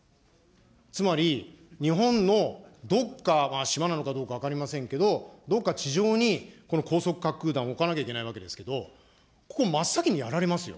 つまり、日本のどこか、島なのかどうか分かりませんけど、どっか地上に高速滑空弾を置かなきゃいけないわけですけれども、ここ真っ先にやられますよ。